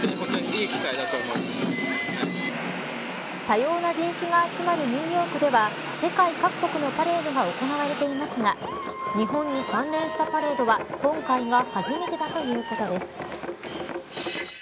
多様な人種が集まるニューヨークでは世界各国のパレードが行われていますが日本に関連したパレードは今回が初めてだということです。